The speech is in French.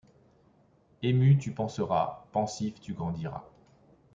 Ému, tu penseras ; pensif, tu grandiras.